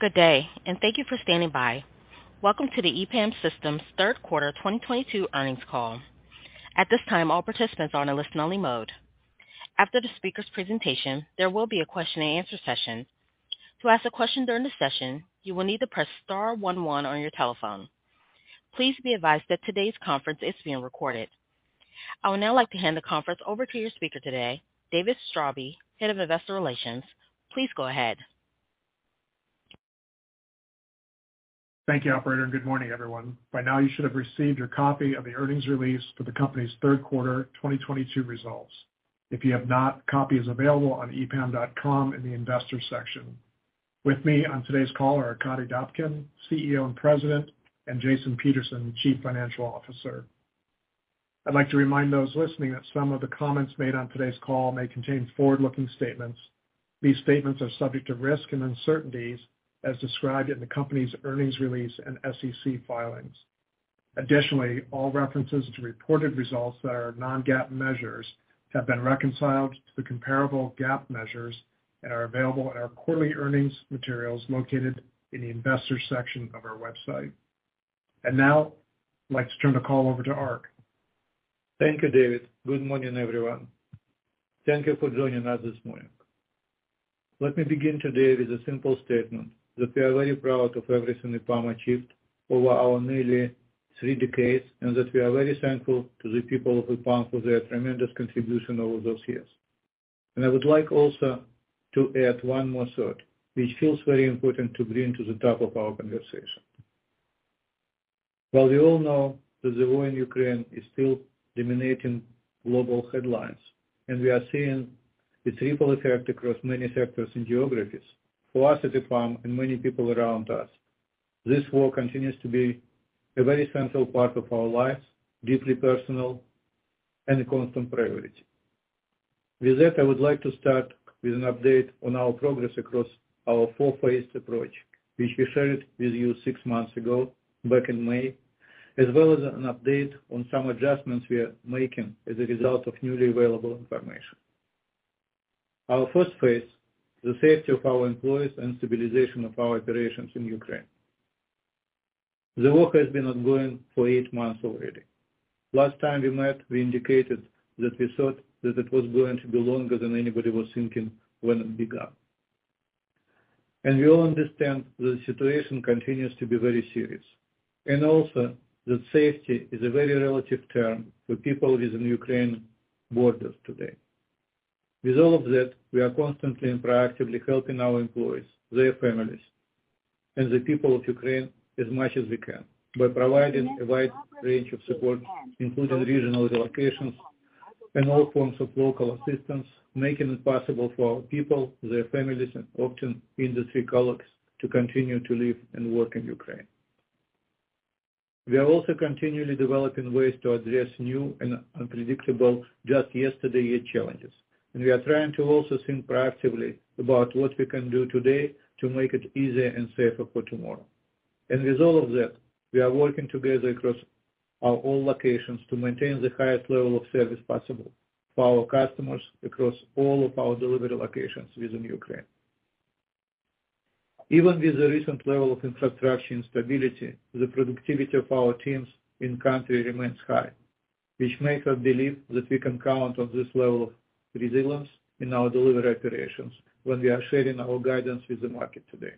Good day, and thank you for standing by. Welcome to the EPAM Systems third quarter 2022 earnings call. At this time, all participants are in a listen-only mode. After the speaker's presentation, there will be a question and answer session. To ask a question during the session, you will need to press star one one on your telephone. Please be advised that today's conference is being recorded. I would now like to hand the conference over to your speaker today, David Straube, Head of Investor Relations. Please go ahead. Thank you, operator, and good morning, everyone. By now you should have received your copy of the earnings release for the company's third quarter 2022 results. If you have not, copy is available on epam.com in the investor section. With me on today's call are Arkadiy Dobkin, CEO and President, and Jason Peterson, Chief Financial Officer. I'd like to remind those listening that some of the comments made on today's call may contain forward-looking statements. These statements are subject to risks and uncertainties as described in the company's earnings release and SEC filings. Additionally, all references to reported results that are non-GAAP measures have been reconciled to the comparable GAAP measures and are available in our quarterly earnings materials located in the investors section of our website. Now, I'd like to turn the call over to Ark. Thank you, David. Good morning, everyone. Thank you for joining us this morning. Let me begin today with a simple statement that we are very proud of everything EPAM achieved over our nearly three decades, and that we are very thankful to the people of EPAM for their tremendous contribution over those years. I would like also to add one more thought, which feels very important to bring to the top of our conversation. While we all know that the war in Ukraine is still dominating global headlines, and we are seeing its ripple effect across many sectors and geographies, for us at EPAM and many people around us, this war continues to be a very central part of our lives, deeply personal and a constant priority. With that, I would like to start with an update on our progress across our four-phased approach, which we shared with you six months ago back in May, as well as an update on some adjustments we are making as a result of newly available information. Our first phase is the safety of our employees and stabilization of our operations in Ukraine. The war has been ongoing for eight months already. Last time we met, we indicated that we thought that it was going to be longer than anybody was thinking when it began. We all understand that the situation continues to be very serious, and also that safety is a very relative term for people within Ukraine borders today. With all of that, we are constantly and proactively helping our employees, their families, and the people of Ukraine as much as we can by providing a wide range of support, including regional relocations and all forms of local assistance, making it possible for our people, their families, and often industry colleagues to continue to live and work in Ukraine. We are also continually developing ways to address new and unpredictable just yesterday year challenges. We are trying to also think proactively about what we can do today to make it easier and safer for tomorrow. With all of that, we are working together across all our locations to maintain the highest level of service possible for our customers across all of our delivery locations within Ukraine. Even with the recent level of infrastructure instability, the productivity of our teams in country remains high, which makes us believe that we can count on this level of resilience in our delivery operations when we are sharing our guidance with the market today.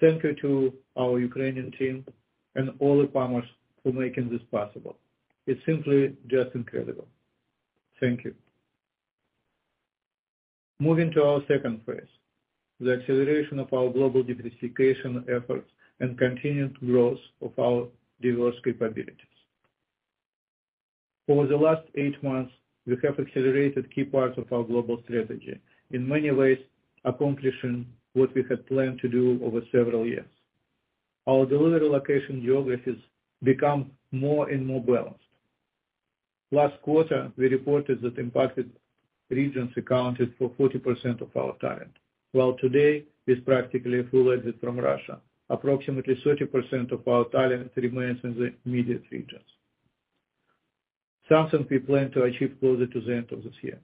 Thank you to our Ukrainian team and all EPAMers for making this possible. It's simply just incredible. Thank you. Moving to our second phase, the acceleration of our global diversification efforts and continued growth of our diverse capabilities. Over the last eight months, we have accelerated key parts of our global strategy, in many ways accomplishing what we had planned to do over several years. Our delivery location geographies become more and more balanced. Last quarter, we reported that impacted regions accounted for 40% of our talent, while today, with practically a full exit from Russia, approximately 30% of our talent remains in the immediate regions. Something we plan to achieve closer to the end of this year.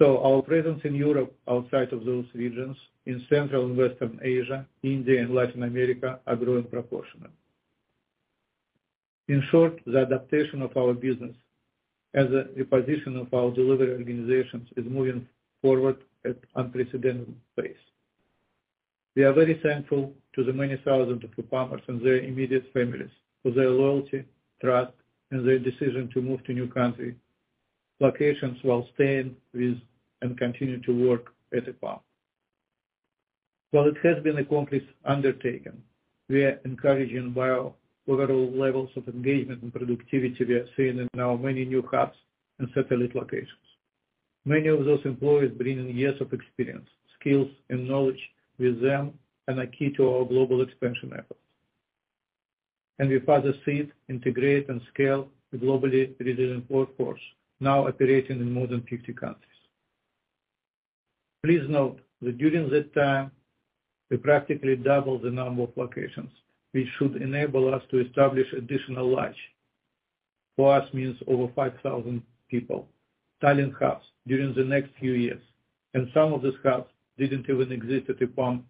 Our presence in Europe outside of those regions, in Central and Western Asia, India and Latin America, are growing proportionately. In short, the adaptation of our business as a reposition of our delivery organizations is moving forward at unprecedented pace. We are very thankful to the many thousands of EPAMers and their immediate families for their loyalty, trust, and their decision to move to new country locations while staying with and continue to work at EPAM. While it has been a complex undertaking, we are encouraged by our overall levels of engagement and productivity we are seeing in our many new hubs and satellite locations. Many of those employees bring in years of experience, skills and knowledge with them, and are key to our global expansion efforts. We further see, integrate, and scale a globally resilient workforce now operating in more than 50 countries. Please note that during that time, we practically double the number of locations, which should enable us to establish additional large, for us means over 5,000 people talent hubs during the next few years, and some of these hubs didn't even exist at EPAM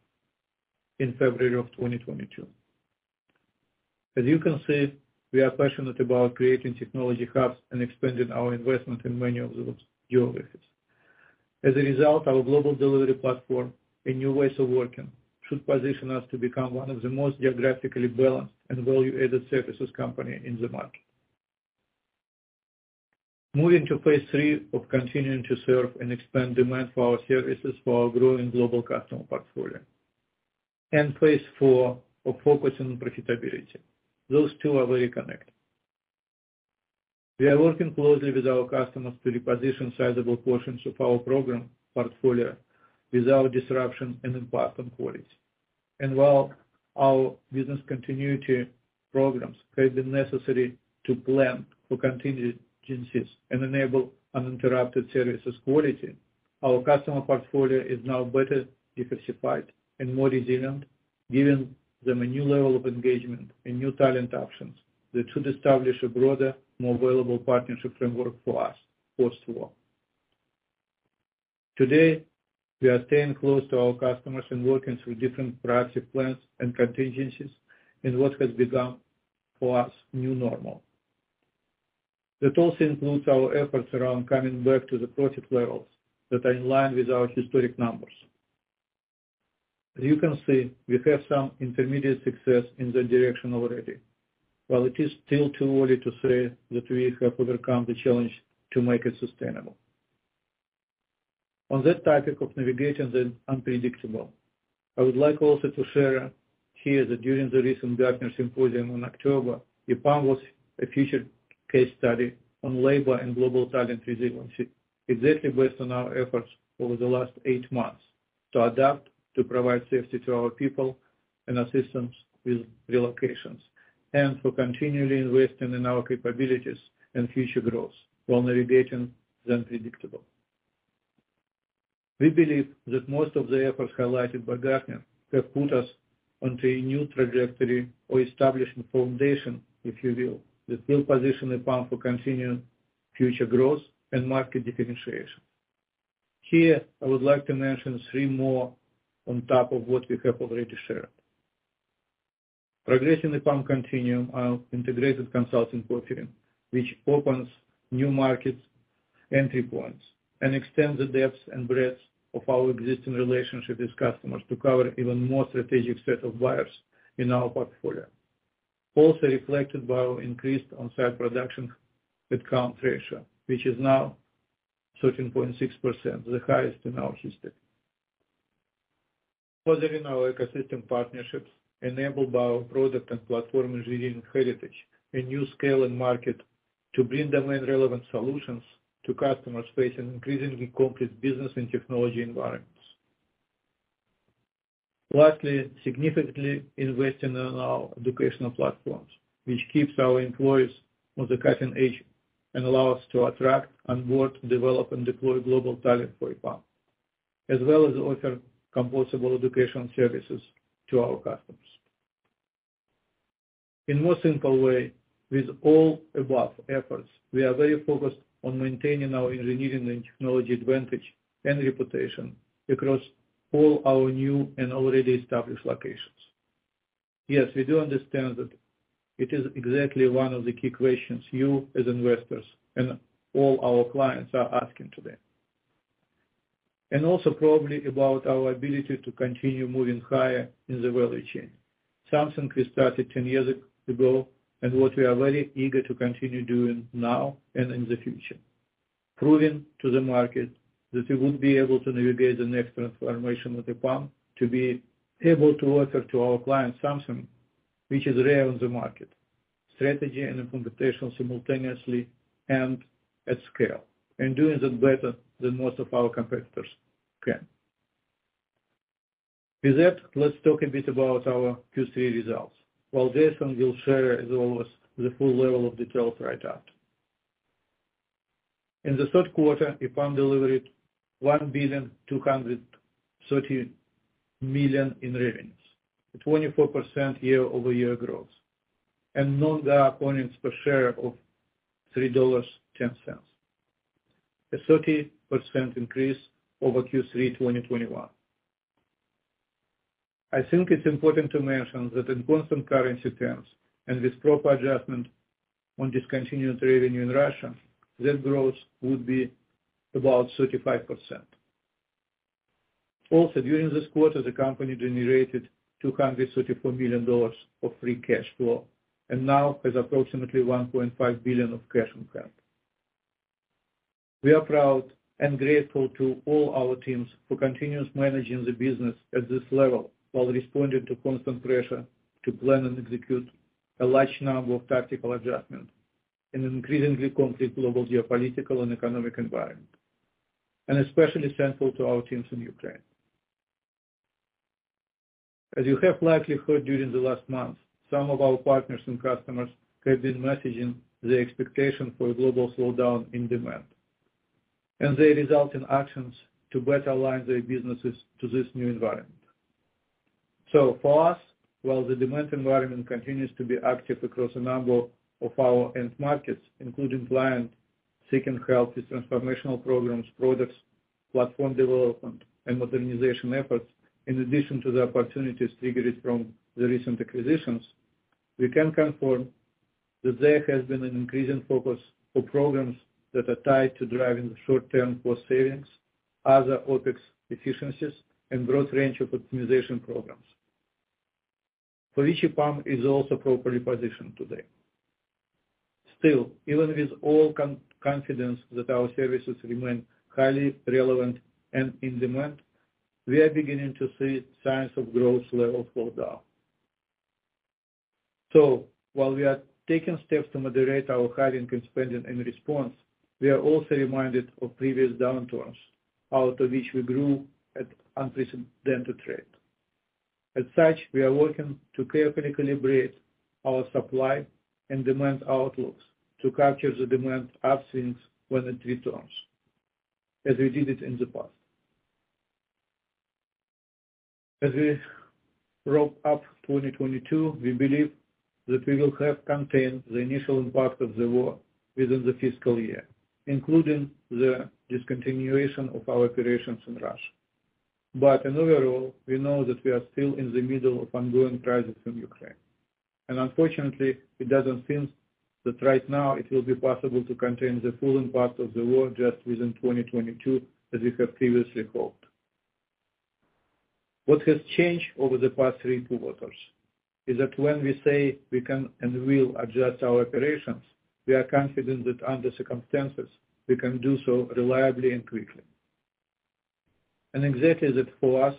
in February of 2022. As you can see, we are passionate about creating technology hubs and expanding our investment in many of those geographies. As a result, our global delivery platform and new ways of working should position us to become one of the most geographically balanced and value-added services company in the market. Moving to phase three of continuing to serve and expand demand for our services for our growing global customer portfolio. Phase four of focus on profitability. Those two are very connected. We are working closely with our customers to reposition sizable portions of our program portfolio without disruption and impact on quality. While our business continuity programs have been necessary to plan for contingencies and enable uninterrupted services quality, our customer portfolio is now better diversified and more resilient, giving them a new level of engagement and new talent options that should establish a broader, more valuable partnership framework for us post-war. Today, we are staying close to our customers and working through different project plans and contingencies in what has become for us new normal. That also includes our efforts around coming back to the profit levels that are in line with our historic numbers. As you can see, we have some intermediate success in that direction already. While it is still too early to say that we have overcome the challenge to make it sustainable. On that topic of navigating the unpredictable, I would like also to share here that during the recent Gartner Symposium in October, EPAM was a featured case study on labor and global talent resiliency, exactly based on our efforts over the last eight months to adapt to provide safety to our people and assistance with relocations, and for continually investing in our capabilities and future growth while navigating the unpredictable. We believe that most of the efforts highlighted by Gartner have put us onto a new trajectory or establishing foundation, if you will, that will position EPAM for continued future growth and market differentiation. Here, I would like to mention three more on top of what we have already shared. Progressing EPAM Continuum, our integrated consulting portfolio, which opens new markets entry points and extends the depths and breadths of our existing relationships with customers to cover even more strategic set of buyers in our portfolio. Also reflected by our increased on-site production headcount ratio, which is now 13.6%, the highest in our history. Further in our ecosystem partnerships enabled by our product and platform engineering heritage, a new scale in market to bring domain-relevant solutions to customers facing increasingly complex business and technology environments. Lastly, significantly investing in our educational platforms, which keeps our employees on the cutting edge and allow us to attract, onboard, develop, and deploy global talent for EPAM, as well as offer comprehensive educational services to our customers. In more simple way, with all above efforts, we are very focused on maintaining our engineering and technology advantage and reputation across all our new and already established locations. Yes, we do understand that it is exactly one of the key questions you as investors and all our clients are asking today. Also probably about our ability to continue moving higher in the value chain, something we started 10 years ago and what we are very eager to continue doing now and in the future. Proving to the market that we would be able to navigate the next transformation with EPAM to be able to offer to our clients something which is rare on the market, strategy and implementation simultaneously and at scale, and doing that better than most of our competitors can. With that, let's talk a bit about our Q3 results, while Jason will share as always the full level of detail right after. In the third quarter, EPAM delivered $1.23 billion in revenues, a 24% year-over-year growth, and non-GAAP earnings per share of $3.10, a 30% increase over Q3 2021. I think it's important to mention that in constant currency terms and with proper adjustment on discontinued revenue in Russia, that growth would be about 35%. Also, during this quarter, the company generated $234 million of free cash flow, and now has approximately $1.5 billion of cash on hand. We are proud and grateful to all our teams for continuous managing the business at this level while responding to constant pressure to plan and execute a large number of tactical adjustments in an increasingly complex global geopolitical and economic environment. We are especially thankful to our teams in Ukraine. As you have likely heard during the last month, some of our partners and customers have been messaging the expectation for a global slowdown in demand, and that results in actions to better align their businesses to this new environment. For us, while the demand environment continues to be active across a number of our end markets, including clients seeking healthy transformational programs, products, platform development, and modernization efforts, in addition to the opportunities triggered from the recent acquisitions, we can confirm that there has been an increasing focus for programs that are tied to driving short-term cost savings, other OpEx efficiencies, and broad range of optimization programs. For EPAM is also properly positioned today. Still, even with all confidence that our services remain highly relevant and in demand, we are beginning to see signs of growth levels slow down. While we are taking steps to moderate our hiring and spending in response, we are also reminded of previous downturns out of which we grew at unprecedented rate. As such, we are working to carefully calibrate our supply and demand outlooks to capture the demand upswing when it returns, as we did it in the past. As we wrap up 2022, we believe that we will have contained the initial impact of the war within the fiscal year, including the discontinuation of our operations in Russia. In overall, we know that we are still in the middle of ongoing crisis in Ukraine. Unfortunately, it doesn't seem that right now it will be possible to contain the full impact of the war just within 2022, as we have previously hoped. What has changed over the past three quarters is that when we say we can and will adjust our operations, we are confident that under circumstances we can do so reliably and quickly. Exactly that for us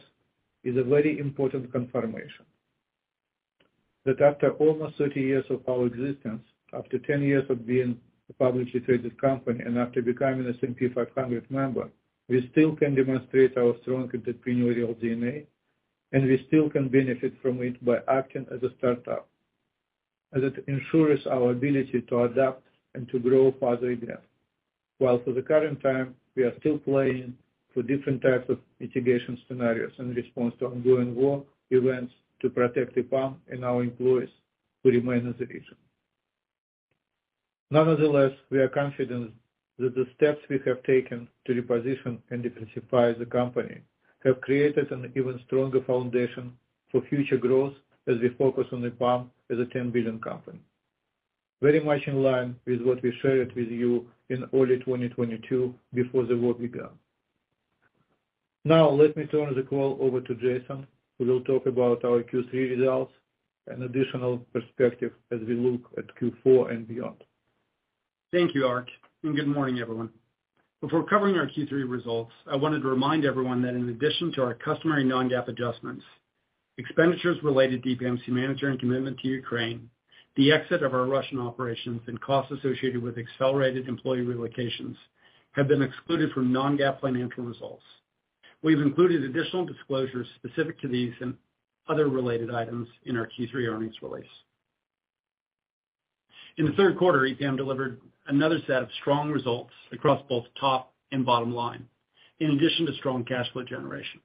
is a very important confirmation that after almost 30 years of our existence, after 10 years of being a publicly traded company, and after becoming S&P 500 member, we still can demonstrate our strong entrepreneurial DNA, and we still can benefit from it by acting as a startup, as it ensures our ability to adapt and to grow farther again. While for the current time, we are still planning for different types of mitigation scenarios in response to ongoing war events to protect EPAM and our employees who remain in the region. Nonetheless, we are confident that the steps we have taken to reposition and intensify the company have created an even stronger foundation for future growth as we focus on EPAM as a 10 billion company. Very much in line with what we shared with you in early 2022 before the war began. Now let me turn the call over to Jason, who will talk about our Q3 results and additional perspective as we look at Q4 and beyond. Thank you, Ark, and good morning, everyone. Before covering our Q3 results, I wanted to remind everyone that in addition to our customary non-GAAP adjustments, expenditures related to EPAM's management and commitment to Ukraine, the exit of our Russian operations, and costs associated with accelerated employee relocations have been excluded from non-GAAP financial results. We've included additional disclosures specific to these and other related items in our Q3 earnings release. In the third quarter, EPAM delivered another set of strong results across both top and bottom line, in addition to strong cash flow generation.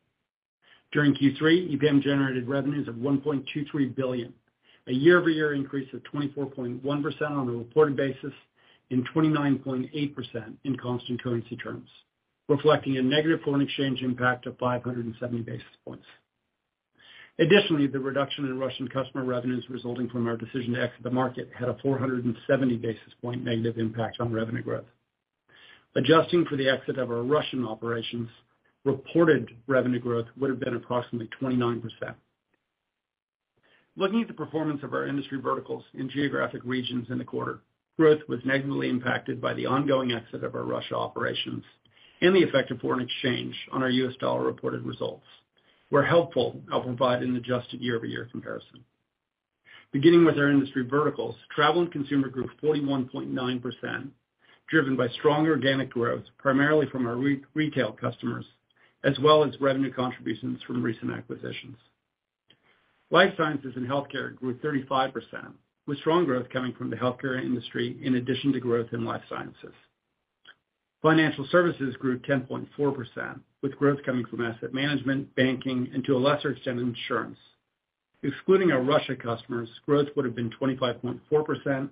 During Q3, EPAM generated revenues of $1.23 billion, a year-over-year increase of 24.1% on a reported basis and 29.8% in constant currency terms, reflecting a negative foreign exchange impact of 570 basis points. Additionally, the reduction in Russian customer revenues resulting from our decision to exit the market had a 470 basis point negative impact on revenue growth. Adjusting for the exit of our Russian operations, reported revenue growth would have been approximately 29%. Looking at the performance of our industry verticals in geographic regions in the quarter, growth was negatively impacted by the ongoing exit of our Russian operations and the effect of foreign exchange on our U.S. dollar reported results. To help, I'll provide an adjusted year-over-year comparison. Beginning with our industry verticals, travel and consumer grew 41.9%, driven by strong organic growth, primarily from our retail customers, as well as revenue contributions from recent acquisitions. Life sciences and healthcare grew 35%, with strong growth coming from the healthcare industry in addition to growth in life sciences. Financial services grew 10.4%, with growth coming from asset management, banking, and to a lesser extent, insurance. Excluding our Russia customers, growth would have been 25.4%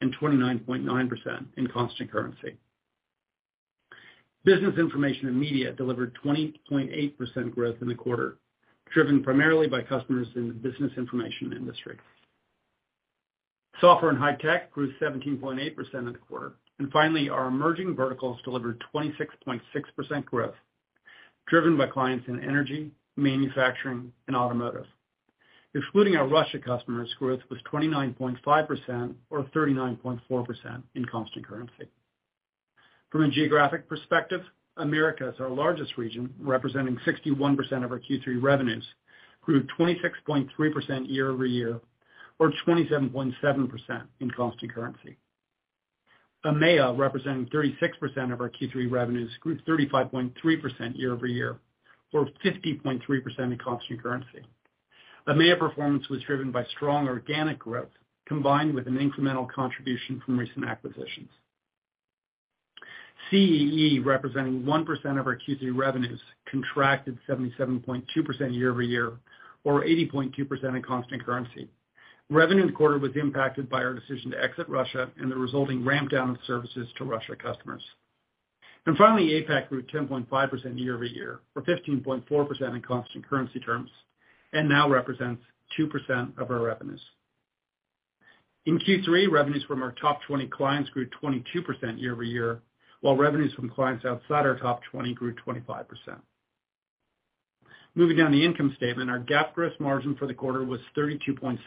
and 29.9% in constant currency. Business information and media delivered 20.8% growth in the quarter, driven primarily by customers in the business information industry. Software and high tech grew 17.8% in the quarter. Finally, our emerging verticals delivered 26.6% growth, driven by clients in energy, manufacturing, and automotive. Excluding our Russia customers, growth was 29.5% or 39.4% in constant currency. From a geographic perspective, Americas, our largest region, representing 61% of our Q3 revenues, grew 26.3% year-over-year or 27.7% in constant currency. EMEA, representing 36% of our Q3 revenues, grew 35.3% year-over-year or 50.3% in constant currency. EMEA performance was driven by strong organic growth combined with an incremental contribution from recent acquisitions. CEE, representing 1% of our Q3 revenues, contracted 77.2% year-over-year or 80.2% in constant currency. Revenue in the quarter was impacted by our decision to exit Russia and the resulting ramp down of services to Russia customers. Finally, APAC grew 10.5% year-over-year or 15.4% in constant currency terms, and now represents 2% of our revenues. In Q3, revenues from our top 20 clients grew 22% year-over-year, while revenues from clients outside our top 20 grew 25%. Moving down the income statement, our GAAP gross margin for the quarter was 32.6%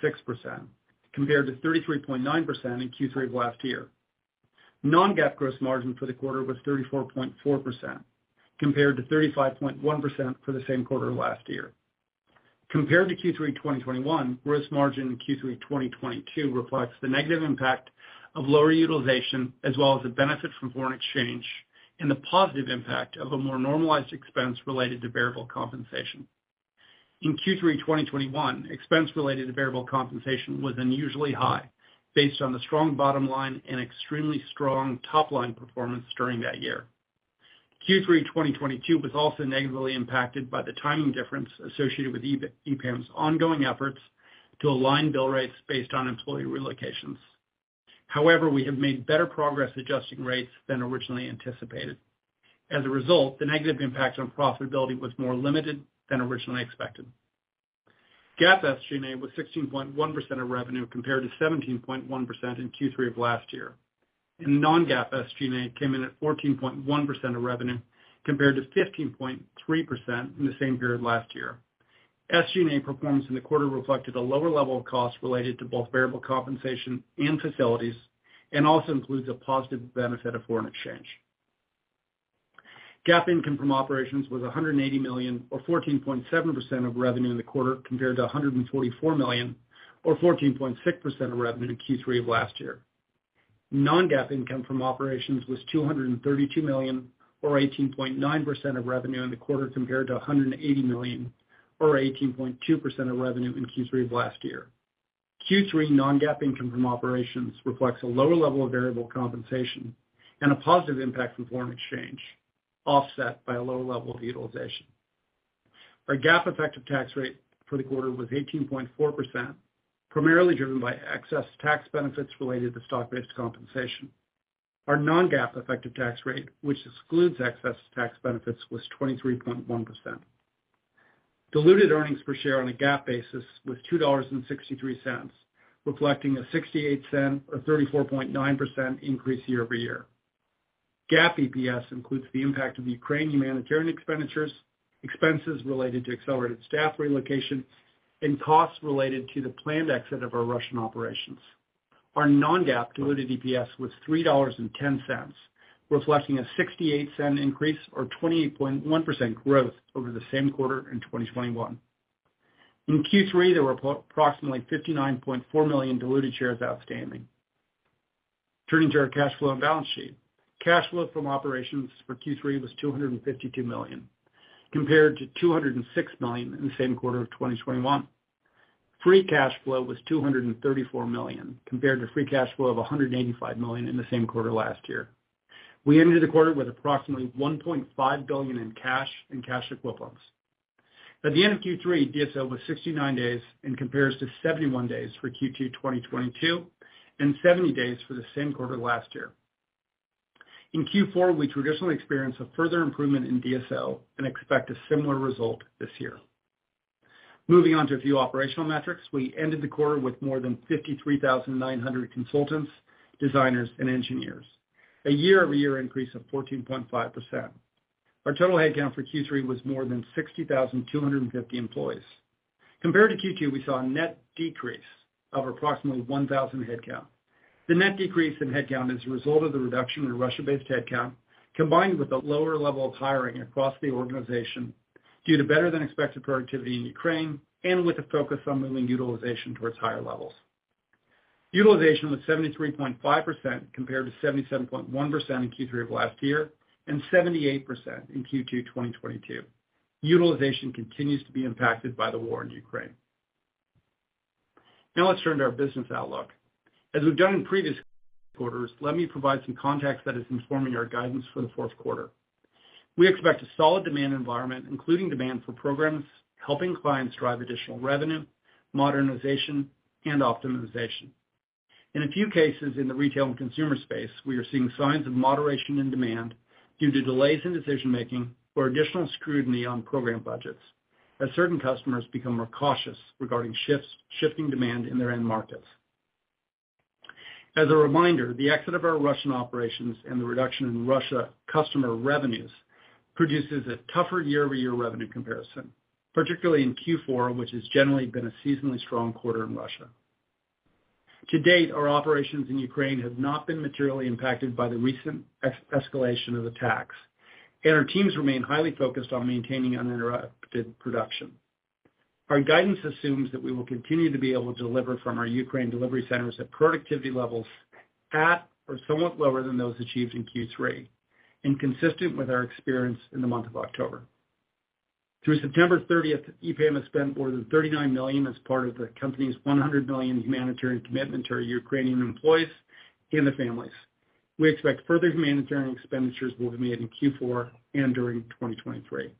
compared to 33.9% in Q3 of last year. Non-GAAP gross margin for the quarter was 34.4% compared to 35.1% for the same quarter last year. Compared to Q3 2021, gross margin in Q3 2022 reflects the negative impact of lower utilization as well as the benefit from foreign exchange and the positive impact of a more normalized expense related to variable compensation. In Q3 2021, expense related to variable compensation was unusually high based on the strong bottom line and extremely strong top line performance during that year. Q3 2022 was also negatively impacted by the timing difference associated with EPAM's ongoing efforts to align bill rates based on employee relocations. However, we have made better progress adjusting rates than originally anticipated. As a result, the negative impact on profitability was more limited than originally expected. GAAP SG&A was 16.1% of revenue compared to 17.1% in Q3 of last year. non-GAAP SG&A came in at 14.1% of revenue compared to 15.3% in the same period last year. SG&A performance in the quarter reflected a lower level of costs related to both variable compensation and facilities, and also includes a positive benefit of foreign exchange. GAAP income from operations was $180 million or 14.7% of revenue in the quarter compared to $144 million or 14.6% of revenue in Q3 of last year. Non-GAAP income from operations was $232 million or 18.9% of revenue in the quarter compared to $180 million or 18.2% of revenue in Q3 of last year. Q3 non-GAAP income from operations reflects a lower level of variable compensation and a positive impact from foreign exchange, offset by a lower level of utilization. Our GAAP effective tax rate for the quarter was 18.4%, primarily driven by excess tax benefits related to stock-based compensation. Our non-GAAP effective tax rate, which excludes excess tax benefits, was 23.1%. Diluted earnings per share on a GAAP basis was $2.63, reflecting a $0.68 or 34.9% increase year-over-year. GAAP EPS includes the impact of the Ukraine humanitarian expenditures, expenses related to accelerated staff relocation, and costs related to the planned exit of our Russian operations. Our non-GAAP diluted EPS was $3.10, reflecting a $0.68 increase or 28.1% growth over the same quarter in 2021. In Q3, there were approximately 59.4 million diluted shares outstanding. Turning to our cash flow and balance sheet. Cash flow from operations for Q3 was $252 million, compared to $206 million in the same quarter of 2021. Free cash flow was $234 million, compared to free cash flow of $185 million in the same quarter last year. We ended the quarter with approximately $1.5 billion in cash and cash equivalents. At the end of Q3, DSO was 69 days and compares to 71 days for Q2 2022 and 70 days for the same quarter last year. In Q4, we traditionally experience a further improvement in DSO and expect a similar result this year. Moving on to a few operational metrics. We ended the quarter with more than 53,900 consultants, designers, and engineers, a year-over-year increase of 14.5%. Our total headcount for Q3 was more than 60,250 employees. Compared to Q2, we saw a net decrease of approximately 1,000 headcount. The net decrease in headcount is a result of the reduction in Russia-based headcount, combined with a lower level of hiring across the organization due to better than expected productivity in Ukraine and with a focus on moving utilization towards higher levels. Utilization was 73.5% compared to 77.1% in Q3 of last year and 78% in Q2 2022. Utilization continues to be impacted by the war in Ukraine. Now let's turn to our business outlook. As we've done in previous quarters, let me provide some context that is informing our guidance for the fourth quarter. We expect a solid demand environment, including demand for programs helping clients drive additional revenue, modernization, and optimization. In a few cases in the retail and consumer space, we are seeing signs of moderation in demand due to delays in decision-making or additional scrutiny on program budgets as certain customers become more cautious regarding shifting demand in their end markets. As a reminder, the exit of our Russian operations and the reduction in Russia customer revenues produces a tougher year-over-year revenue comparison, particularly in Q4, which has generally been a seasonally strong quarter in Russia. To date, our operations in Ukraine have not been materially impacted by the recent escalation of attacks, and our teams remain highly focused on maintaining uninterrupted production. Our guidance assumes that we will continue to be able to deliver from our Ukraine delivery centers at productivity levels at or somewhat lower than those achieved in Q3, and consistent with our experience in the month of October. Through September 30th, EPAM has spent more than $39 million as part of the company's $100 million humanitarian commitment to our Ukrainian employees and their families. We expect further humanitarian expenditures will be made in Q4 and during 2023.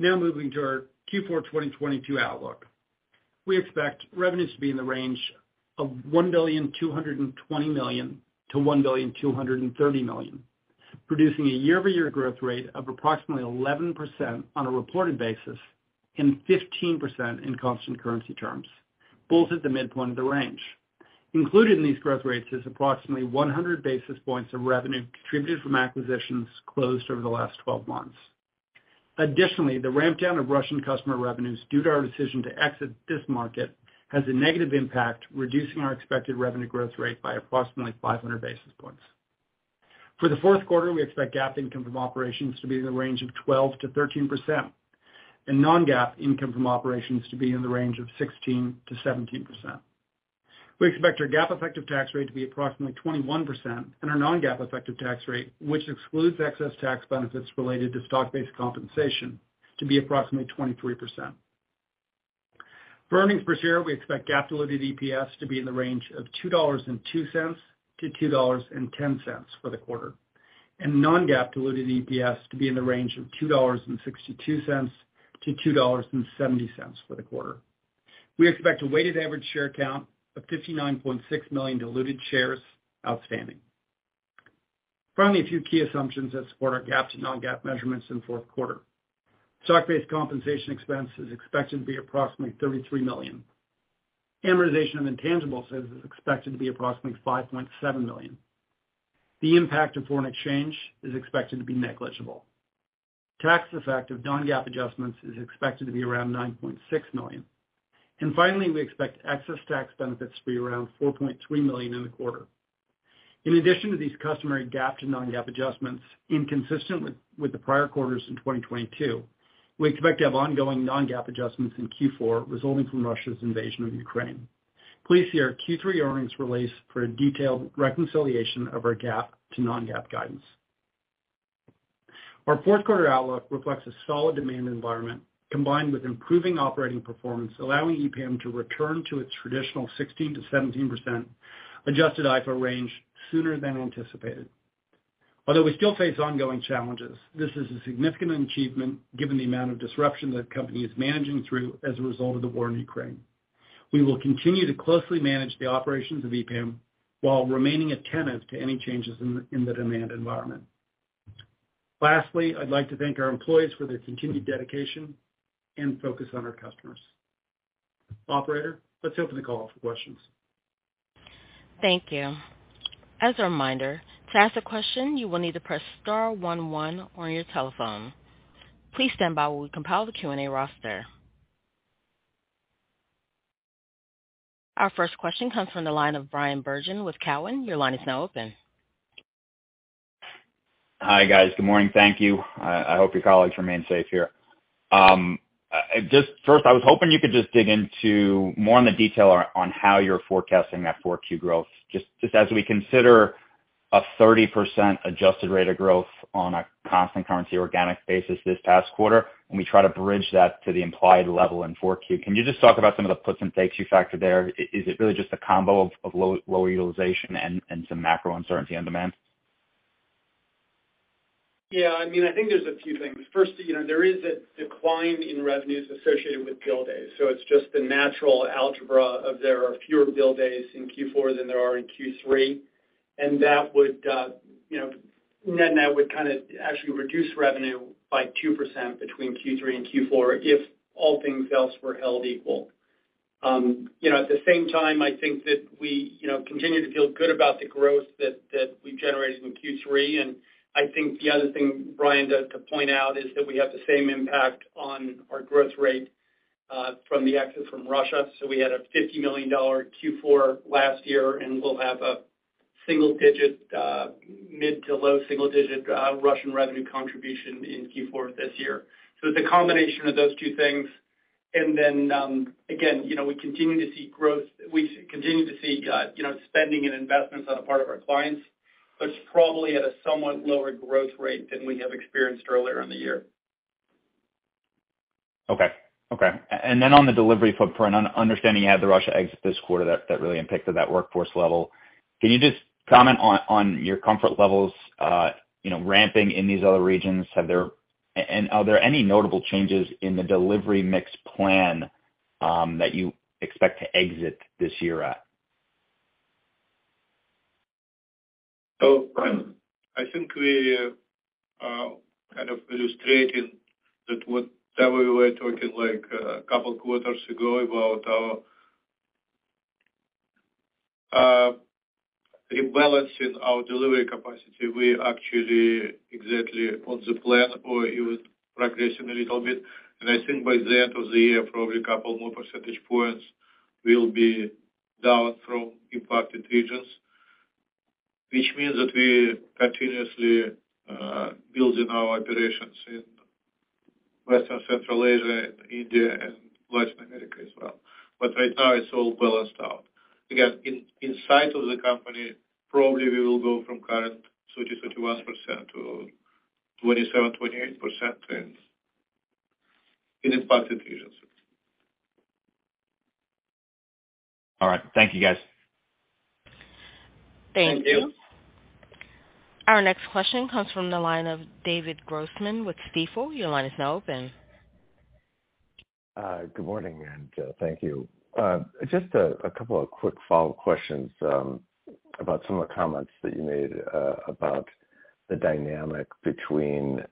Now moving to our Q4 2022 outlook. We expect revenues to be in the range of $1.22 billion-$1.23 billion, producing a year-over-year growth rate of approximately 11% on a reported basis, and 15% in constant currency terms, both at the midpoint of the range. Included in these growth rates is approximately 100 basis points of revenue contributed from acquisitions closed over the last 12 months. Additionally, the ramp down of Russian customer revenues due to our decision to exit this market has a negative impact, reducing our expected revenue growth rate by approximately 500 basis points. For the fourth quarter, we expect GAAP income from operations to be in the range of 12%-13%, and non-GAAP income from operations to be in the range of 16%-17%. We expect our GAAP effective tax rate to be approximately 21%, and our non-GAAP effective tax rate, which excludes excess tax benefits related to stock-based compensation, to be approximately 23%. For earnings per share, we expect GAAP diluted EPS to be in the range of $2.02-$2.10 for the quarter, and non-GAAP diluted EPS to be in the range of $2.62-$2.70 for the quarter. We expect a weighted average share count of 59.6 million diluted shares outstanding. Finally, a few key assumptions that support our GAAP to non-GAAP measurements in fourth quarter. Stock-based compensation expense is expected to be approximately $33 million. Amortization of intangibles is expected to be approximately $5.7 million. The impact of foreign exchange is expected to be negligible. Tax effect of non-GAAP adjustments is expected to be around $9.6 million. Finally, we expect excess tax benefits to be around $4.3 million in the quarter. In addition to these customary GAAP to non-GAAP adjustments, inconsistent with the prior quarters in 2022, we expect to have ongoing non-GAAP adjustments in Q4 resulting from Russia's invasion of Ukraine. Please see our Q3 earnings release for a detailed reconciliation of our GAAP to non-GAAP guidance. Our fourth quarter outlook reflects a solid demand environment, combined with improving operating performance, allowing EPAM to return to its traditional 16%-17% adjusted IFO range sooner than anticipated. Although we still face ongoing challenges, this is a significant achievement given the amount of disruption the company is managing through as a result of the war in Ukraine. We will continue to closely manage the operations of EPAM while remaining attentive to any changes in the demand environment. Lastly, I'd like to thank our employees for their continued dedication and focus on our customers. Operator, let's open the call for questions. Thank you. As a reminder, to ask a question, you will need to press star one one on your telephone. Please stand by while we compile the Q&A roster. Our first question comes from the line of Bryan Bergin with Cowen. Your line is now open. Hi, guys. Good morning. Thank you. I hope your colleagues remain safe here. Just first, I was hoping you could just dig into more on the detail on how you're forecasting that 4Q growth. Just as we consider a 30% adjusted rate of growth on a constant currency organic basis this past quarter, and we try to bridge that to the implied level in 4Q, can you just talk about some of the puts and takes you factor there? Is it really just a combo of low utilization and some macro uncertainty on demand? Yeah, I mean, I think there's a few things. First, you know, there is a decline in revenues associated with bill days. It's just the natural algebra of there are fewer bill days in Q4 than there are in Q3, and that would, you know, net net would kind of actually reduce revenue by 2% between Q3 and Q4 if all things else were held equal. You know, at the same time, I think that we, you know, continue to feel good about the growth that we generated in Q3. I think the other thing, Brian, to point out is that we have the same impact on our growth rate from the exit from Russia. We had a $50 million Q4 last year, and we'll have a single-digit, mid- to low-single-digit Russian revenue contribution in Q4 this year. It's a combination of those two things. Then, again, you know, we continue to see growth. We continue to see, you know, spending and investments on the part of our clients, but it's probably at a somewhat lower growth rate than we have experienced earlier in the year. Okay. Then on the delivery footprint, understanding you had the Russia exit this quarter that really impacted that workforce level, can you just comment on your comfort levels, you know, ramping in these other regions? Are there any notable changes in the delivery mix plan that you expect to exit this year at? Bryan, I think we kind of illustrated that we were talking like a couple quarters ago about our rebalancing our delivery capacity. We actually exactly on the plan or even progressing a little bit. I think by the end of the year, probably a couple more percentage points will be down from impacted regions, which means that we continuously building our operations in Western, Central Asia, India, and Latin America as well. Right now it's all balanced out. Again, inside of the company, probably we will go from current 30%-31% to 27%-28%, and it is positive usually. All right. Thank you, guys. Thank you. Thank you. Our next question comes from the line of David Grossman with Stifel. Your line is now open. Good morning, and thank you. Just a couple of quick follow questions about some of the comments that you made about the dynamic between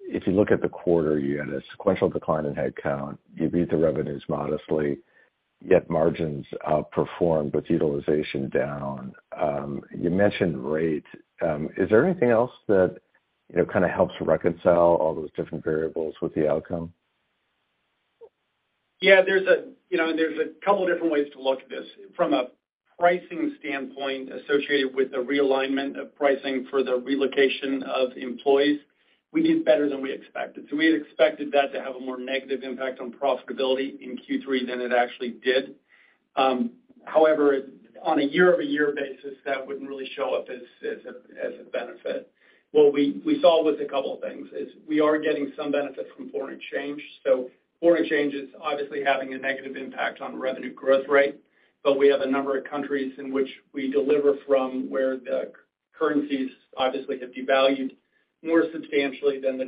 if you look at the quarter, you had a sequential decline in headcount, you beat the revenues modestly, yet margins performed with utilization down. You mentioned rate. Is there anything else that you know kind of helps reconcile all those different variables with the outcome? Yeah, you know, there's a couple different ways to look at this. From a pricing standpoint, associated with the realignment of pricing for the relocation of employees, we did better than we expected. We had expected that to have a more negative impact on profitability in Q3 than it actually did. However, on a year-over-year basis, that wouldn't really show up as a benefit. What we saw was a couple of things, we are getting some benefits from foreign exchange. Foreign exchange is obviously having a negative impact on revenue growth rate. We have a number of countries in which we deliver from where the currencies obviously have devalued more substantially than the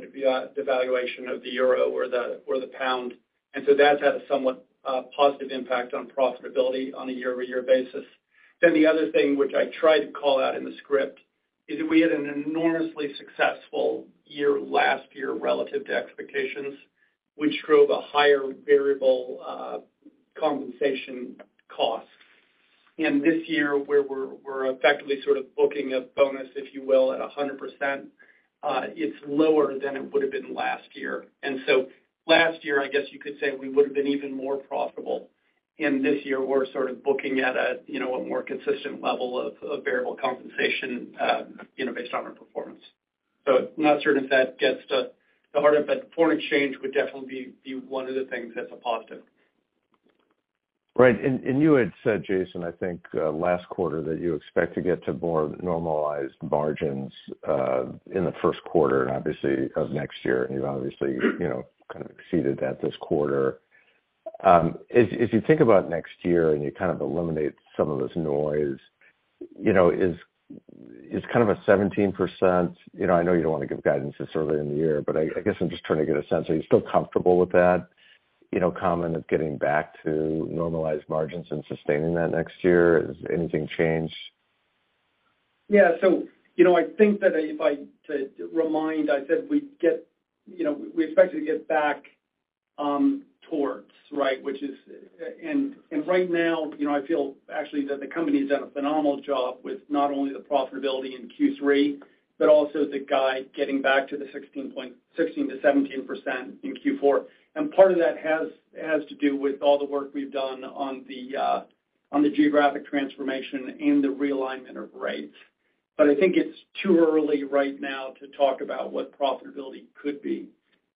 devaluation of the euro or the pound. That's had a somewhat positive impact on profitability on a year-over-year basis. The other thing, which I tried to call out in the script, is that we had an enormously successful year last year relative to expectations, which drove a higher variable compensation cost. This year, where we're effectively sort of booking a bonus, if you will, at 100%, it's lower than it would've been last year. Last year, I guess you could say we would've been even more profitable. This year we're sort of booking at a, you know, a more consistent level of variable compensation, you know, based on our performance. I'm not certain if that gets to the heart of it, but foreign exchange would definitely be one of the things that's a positive. Right. You had said, Jason, I think, last quarter that you expect to get to more normalized margins in the first quarter, obviously of next year. You obviously, you know, kind of exceeded that this quarter. If you think about next year and you kind of eliminate some of this noise, you know, is kind of a 17%, you know, I know you don't wanna give guidance this early in the year, but I guess I'm just trying to get a sense. Are you still comfortable with that, you know, comment of getting back to normalized margins and sustaining that next year? Has anything changed? Yeah. You know, I think that, to remind, I said we'd get, you know, we expect to get back towards, right, which is. Right now, you know, I feel actually that the company has done a phenomenal job with not only the profitability in Q3, but also the guide getting back to the 16%-17% in Q4. Part of that has to do with all the work we've done on the geographic transformation and the realignment of rates. I think it's too early right now to talk about what profitability could be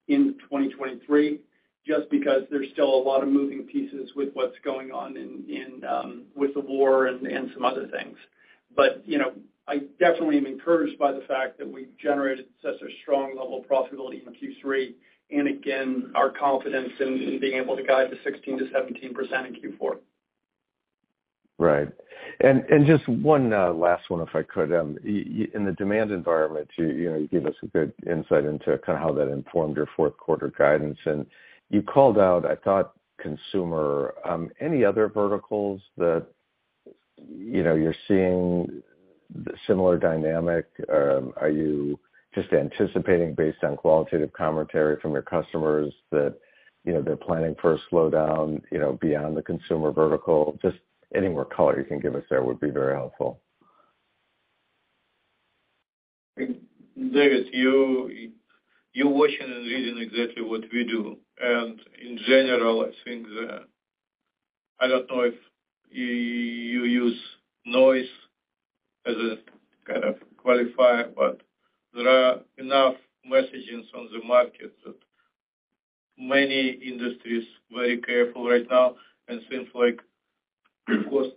in 2023, just because there's still a lot of moving parts with what's going on in with the war and some other things. You know, I definitely am encouraged by the fact that we've generated such a strong level of profitability in Q3, and again, our confidence in being able to guide to 16%-17% in Q4. Right. Just one last one, if I could. In the demand environment, you know you gave us a good insight into kind of how that informed your fourth quarter guidance. You called out, I thought, consumer. Any other verticals that, you know, you're seeing similar dynamics? Are you just anticipating based on qualitative commentary from your customers that, you know, they're planning for a slowdown, you know, beyond the consumer vertical? Just any more color you can give us there would be very helpful. David, you watching and reading exactly what we do. In general, I think the I don't know if you use noise as a kind of qualifier, but there are enough messaging on the market that many industries very careful right now, and things like cost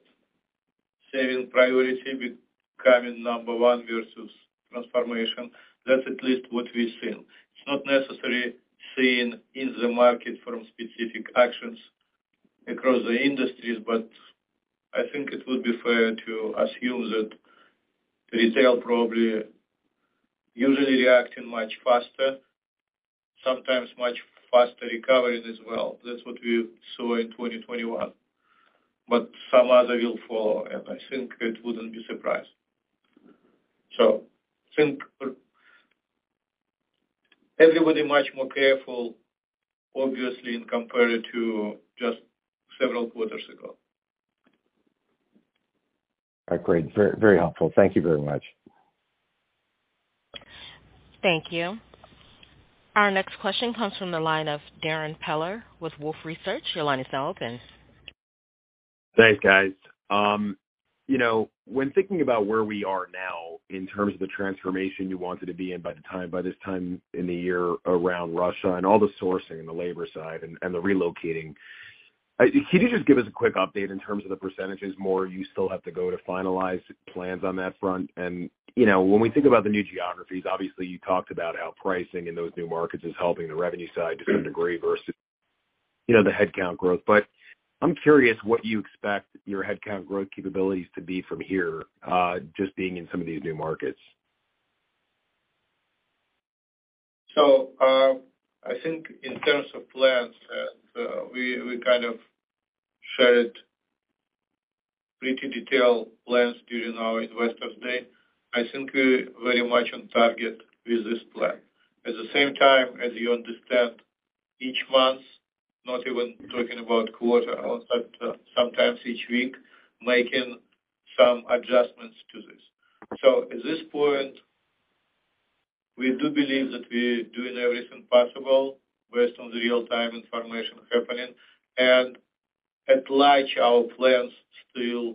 saving priority becoming number one versus transformation. That's at least what we've seen. It's not necessarily seen in the market from specific actions across the industries, but I think it would be fair to assume that retail probably usually reacting much faster, sometimes much faster recovery as well. That's what we saw in 2021. Some other will follow, and I think it wouldn't be surprise. I think everybody much more careful, obviously, compared to just several quarters ago. All right. Great. Very, very helpful. Thank you very much. Thank you. Our next question comes from the line of Darrin Peller with Wolfe Research. Your line is now open. Thanks, guys. You know, when thinking about where we are now in terms of the transformation you wanted to be in by the time, by this time in the year around Russia and all the sourcing and the labor side and the relocating, can you just give us a quick update in terms of the percentages more you still have to go to finalize plans on that front? You know, when we think about the new geographies, obviously you talked about how pricing in those new markets is helping the revenue side to some degree versus, you know, the headcount growth. I'm curious what you expect your headcount growth capabilities to be from here, just being in some of these new markets. I think in terms of plans that we kind of shared pretty detailed plans during our Investor Day. I think we're very much on target with this plan. At the same time, as you understand, each month, not even talking about quarter, but sometimes each week, making some adjustments to this. At this point, we do believe that we're doing everything possible based on the real time information happening. At large, our plans still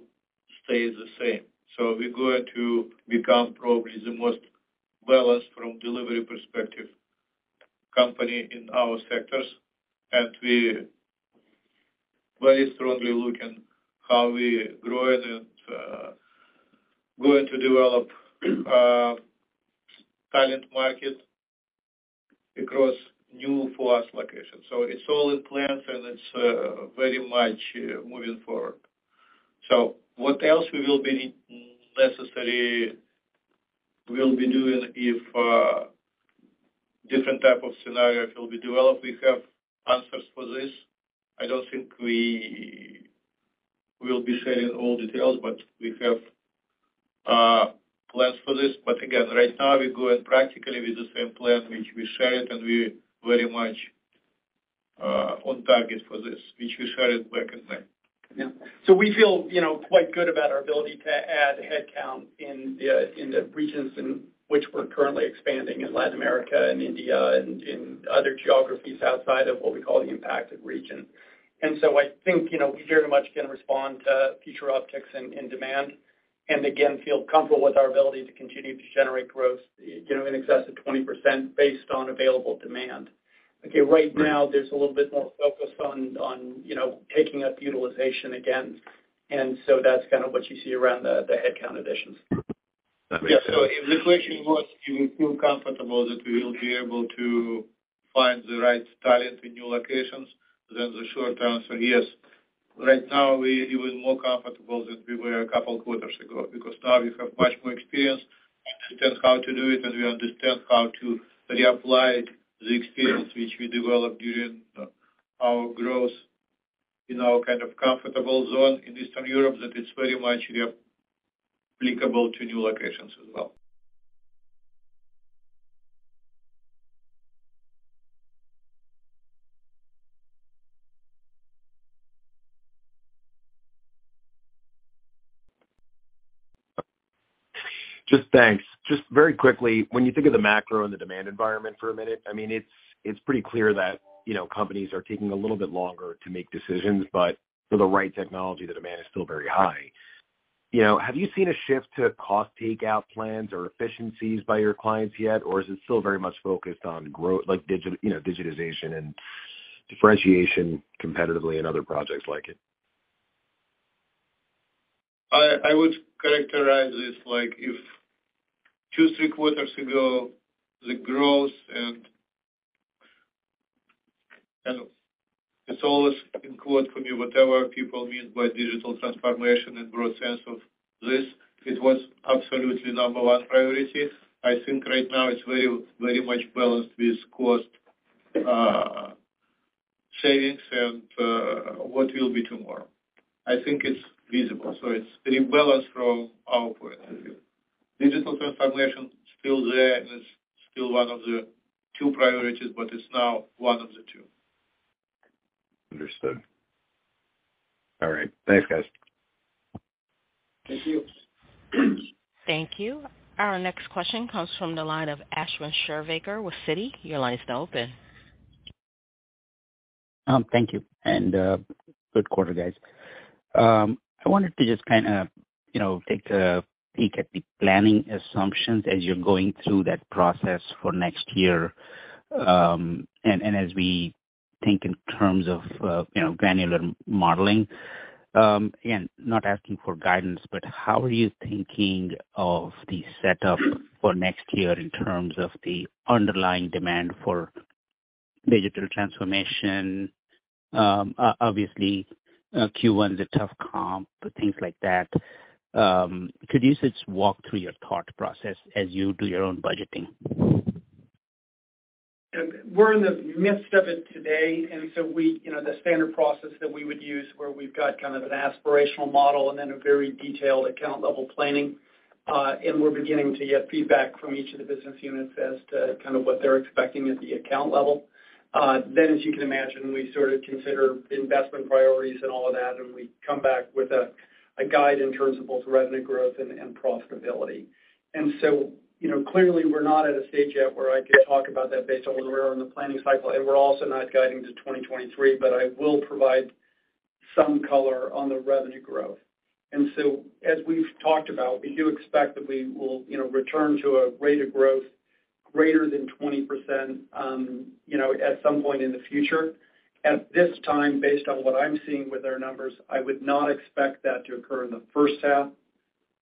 stay the same. We're going to become probably the most balanced from delivery perspective company in our sectors. We very strongly looking how we grow and going to develop talent market across new for us locations. It's all in plans, and it's very much moving forward. What else wE will be necessary will be doing if a different type of scenario will be developed. We have answers for this. I don't think we will be sharing all details, but we have plans for this. Again, right now we're going practically with the same plan, which we shared, and we're very much on target for this, which we shared back in May. Yeah. We feel, you know, quite good about our ability to add headcount in the regions in which we're currently expanding in Latin America and India and in other geographies outside of what we call the impacted region. I think, you know, we very much can respond to future upticks in demand, and again, feel comfortable with our ability to continue to generate growth, you know, in excess of 20% based on available demand. Okay. Right now, there's a little bit more focus on you know, taking up utilization again, and so that's kind of what you see around the headcount additions. That makes sense. Yeah. If the question was, do we feel comfortable that we will be able to find the right talent in new locations, then the short answer, yes. Right now, we're even more comfortable than we were a couple of quarters ago, because now we have much more experience to test how to do it, and we understand how to reapply the experience which we developed during our growth in our kind of comfort zone in Eastern Europe, that it's very much applicable to new locations as well. Just thanks. Just very quickly, when you think of the macro and the demand environment for a minute, I mean, it's pretty clear that, you know, companies are taking a little bit longer to make decisions, but for the right technology, the demand is still very high. You know, have you seen a shift to cost takeout plans or efficiencies by your clients yet? Or is it still very much focused on growth like you know, digitization and differentiation competitively in other projects like it? I would characterize this like if two, three quarters ago, the growth and. It's always in quotes for me, whatever people mean by digital transformation in broad sense of this, it was absolutely number one priority. I think right now it's very, very much balanced with cost savings and what will be tomorrow. I think it's visible. It's very balanced from our point of view. Digital transformation is still there and is still one of the two priorities, but it's now one of the two. Understood. All right. Thanks, guys. Thank you. Thank you. Thank you. Our next question comes from the line of Ashwin Shirvaikar with Citi. Your line is now open. Thank you, and good quarter, guys. I wanted to just kinda, you know, take a peek at the planning assumptions as you're going through that process for next year. As we think in terms of, you know, granular modeling, and not asking for guidance, but how are you thinking of the setup for next year in terms of the underlying demand for digital transformation? Obviously, Q1 is a tough comp, things like that. Could you just walk through your thought process as you do your own budgeting? We're in the midst of it today. You know, the standard process that we would use where we've got kind of an aspirational model and then a very detailed account level planning, and we're beginning to get feedback from each of the business units as to kind of what they're expecting at the account level. Then as you can imagine, we sort of consider investment priorities and all of that, and we come back with a guide in terms of both revenue growth and profitability. You know, clearly we're not at a stage yet where I could talk about that based on where we are in the planning cycle, and we're also not guiding to 2023. But I will provide some color on the revenue growth. As we've talked about, we do expect that we will, you know, return to a rate of growth greater than 20%, you know, at some point in the future. At this time, based on what I'm seeing with our numbers, I would not expect that to occur in the first half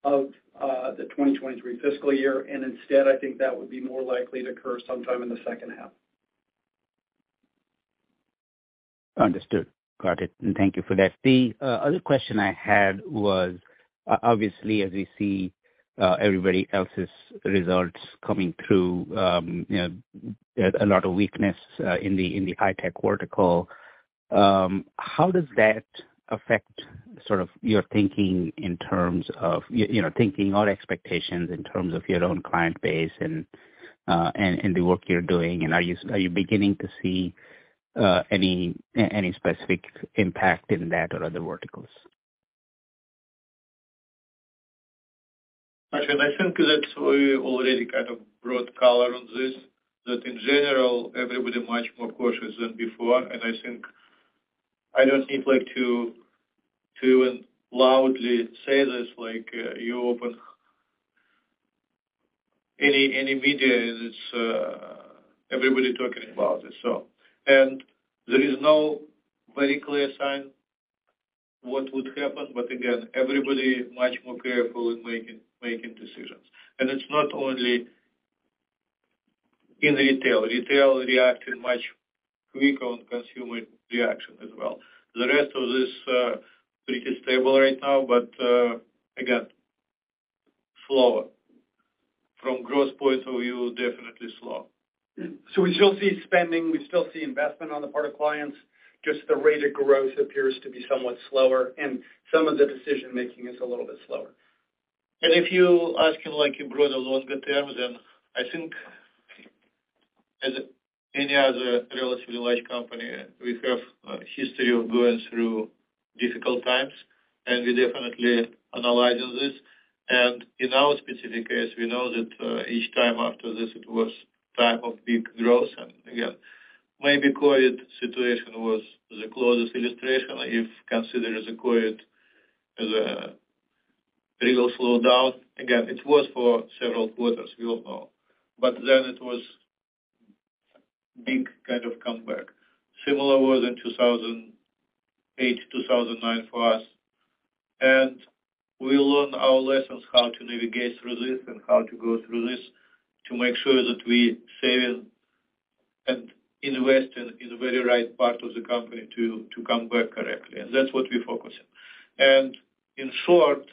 of the 2023 fiscal year. Instead, I think that would be more likely to occur sometime in the second half. Understood. Got it. Thank you for that. The other question I had was obviously, as we see everybody else's results coming through, you know, there's a lot of weakness in the high tech vertical. How does that affect sort of your thinking in terms of you know, thinking or expectations in terms of your own client base and the work you're doing, and are you beginning to see any specific impact in that or other verticals? Actually, I think that we already kind of brought color on this, that in general, everybody much more cautious than before. I think I don't need like to even loudly say this, like, you open any media and it's, everybody talking about this, so. There is no very clear sign what would happen. Again, everybody much more careful in making decisions. It's not only in retail. Retail reacting much quicker on consumer reaction as well. The rest of this pretty stable right now, again, slower. From growth point of view, definitely slow. We still see spending, we still see investment on the part of clients, just the rate of growth appears to be somewhat slower, and some of the decision-making is a little bit slower. If you asking like in broader, longer term, then I think as any other relatively large company, we have a history of going through difficult times, and we definitely analyzing this. In our specific case, we know that, each time after this it was time of big growth. Again, maybe COVID situation was the closest illustration, if consider the COVID as a real slowdown. Again, it was for several quarters, we all know. Then it was big kind of comeback. Similar was in 2008, 2009 for us. We learned our lessons how to navigate through this and how to go through this to make sure that we save and invest in the very right part of the company to come back correctly. That's what we're focusing. In short,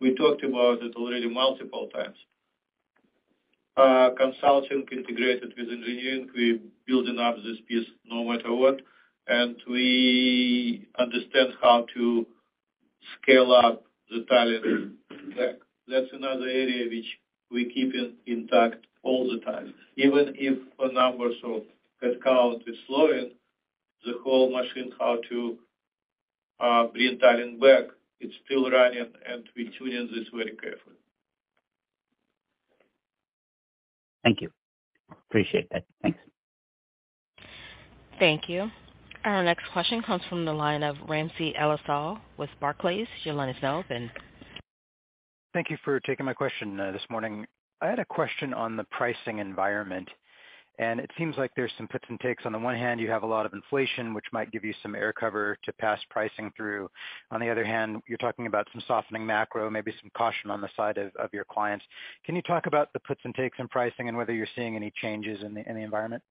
we talked about it already multiple times. Consulting integrated with engineering. We're building up this piece no matter what. We understand how to scale up the talent back. That's another area which we keep in, intact all the time. Even if our numbers of headcount is slowing, the whole machine how to bring talent back, it's still running and we're tuning this very carefully. Thank you. Appreciate that. Thanks. Thank you. Our next question comes from the line of Ramsey El-Assal with Barclays. Your line is now open. Thank you for taking my question this morning. I had a question on the pricing environment, and it seems like there's some puts and takes. On the one hand, you have a lot of inflation, which might give you some air cover to pass pricing through. On the other hand, you're talking about some softening macro, maybe some caution on the side of your clients. Can you talk about the puts and takes in pricing and whether you're seeing any changes in the environment?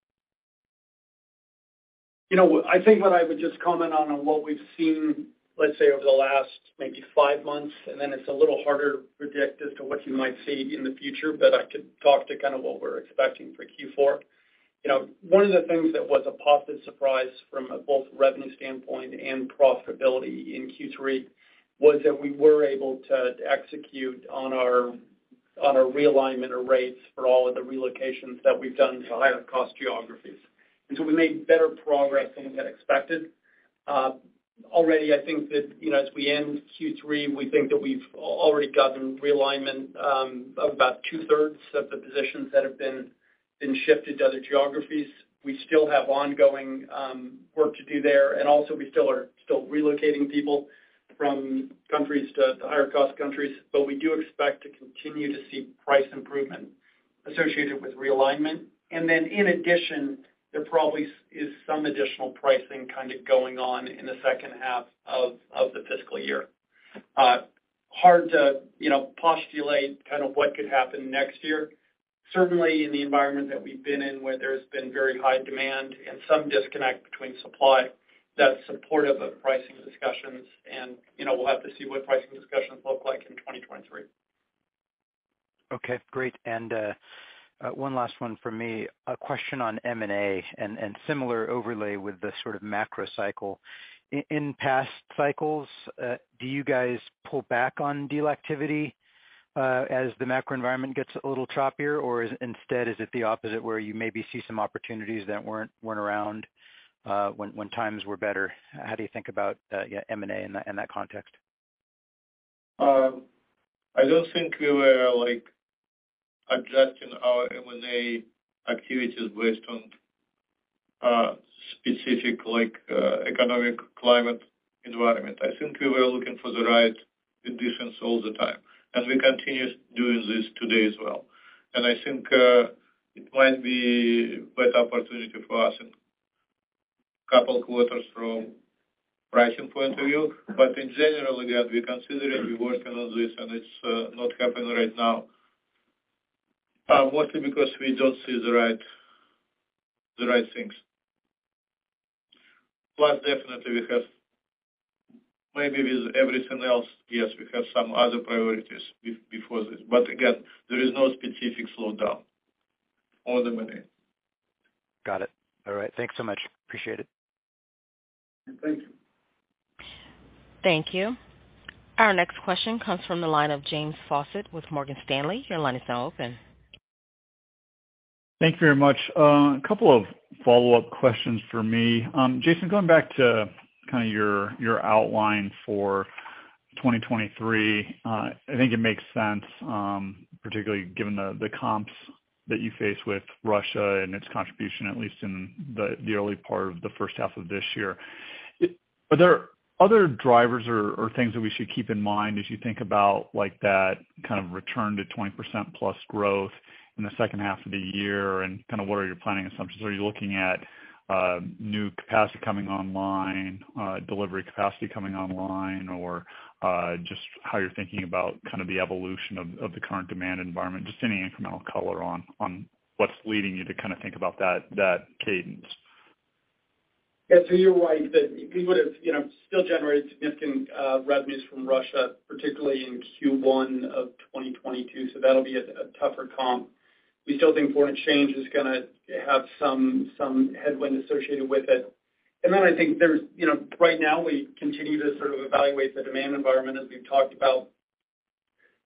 You know, I think what I would just comment on what we've seen, let's say, over the last maybe five months, and then it's a little harder to predict as to what you might see in the future, but I could talk to kind of what we're expecting for Q4. You know, one of the things that was a positive surprise from a both revenue standpoint and profitability in Q3 was that we were able to execute on our realignment of rates for all of the relocations that we've done to higher cost geographies. So we made better progress than we had expected. Already I think that, you know, as we end Q3, we think that we've already gotten realignment of about 2/3 of the positions that have been shifted to other geographies. We still have ongoing work to do there, and also we still are relocating people from countries to higher cost countries. We do expect to continue to see price improvement associated with realignment. In addition, there probably is some additional pricing kind of going on in the second half of the fiscal year. Hard to, you know, postulate kind of what could happen next year. Certainly, in the environment that we've been in, where there's been very high demand and some disconnect between supply, that's supportive of pricing discussions. You know, we'll have to see what pricing discussions look like in 2023. Okay, great. One last one from me. A question on M&A and similar overlay with the sort of macro cycle. In past cycles, do you guys pull back on deal activity as the macro environment gets a little choppier? Or, instead, is it the opposite where you maybe see some opportunities that weren't around when times were better? How do you think about M&A in that context? I don't think we were, like, adjusting our M&A activities based on specific, like, economic climate environment. I think we were looking for the right conditions all the time, and we continue doing this today as well. I think it might be quite opportunity for us in couple quarters from pricing point of view. In general, again, we're considering, we're working on this, and it's not happening right now. Mostly because we don't see the right things. Plus, definitely we have maybe with everything else, yes, we have some other priorities before this. Again, there is no specific slowdown on the M&A. Got it. All right. Thanks so much. Appreciate it. Thank you. Thank you. Our next question comes from the line of James Faucette with Morgan Stanley. Your line is now open. Thank you very much. A couple of follow-up questions for me. Jason, going back to kinda your outline for 2023, I think it makes sense, particularly given the comps that you face with Russia and its contribution, at least in the early part of the first half of this year. Are there other drivers or things that we should keep in mind as you think about, like, that kind of return to 20%+ growth in the second half of the year, and kinda what are your planning assumptions? Are you looking at new capacity coming online, delivery capacity coming online, or just how you're thinking about kinda the evolution of the current demand environment? Just any incremental color on what's leading you to kinda think about that cadence. Yeah. You're right that we would've, you know, still generated significant revenues from Russia, particularly in Q1 of 2022, so that'll be a tougher comp. We still think foreign exchange is gonna have some headwind associated with it. Then I think there's, you know, right now we continue to sort of evaluate the demand environment as we've talked about.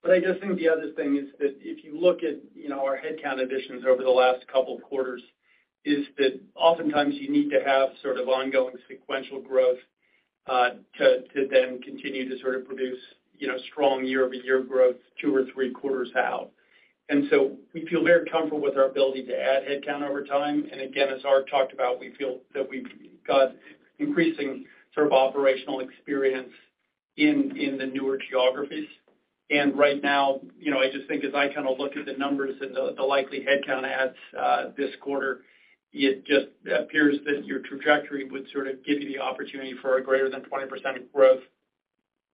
I just think the other thing is that if you look at, you know, our headcount additions over the last couple quarters, is that oftentimes you need to have sort of ongoing sequential growth to then continue to sort of produce, you know, strong year-over-year growth two or three quarters out. We feel very comfortable with our ability to add headcount over time. Again, as Ark talked about, we feel that we've got increasing sort of operational experience in the newer geographies. Right now, you know, I just think as I kinda look at the numbers and the likely headcount adds, this quarter, it just appears that your trajectory would sort of give you the opportunity for a greater than 20% growth